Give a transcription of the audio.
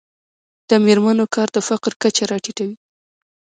د میرمنو کار د فقر کچه راټیټوي.